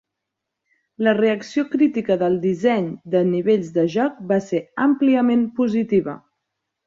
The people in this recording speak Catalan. La reacció crítica del disseny de nivells de joc va ser àmpliament positiva.